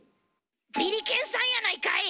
ビリケンさんやないかい！